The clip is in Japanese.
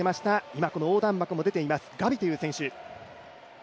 今、この横断幕も出ています、ガビという選手。